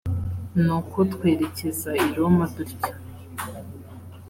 nuko twerekeza i roma dutyo